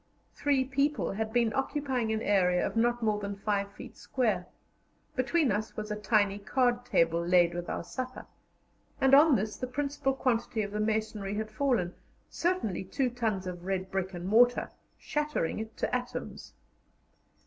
Three people had been occupying an area of not more than 5 feet square; between us was a tiny card table laid with our supper, and on this the principal quantity of the masonry had fallen certainly 2 tons of red brick and mortar shattering it to atoms.